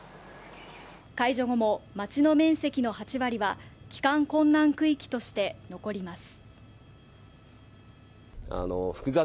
解除後も町の面積の８割は帰還困難区域として残ります。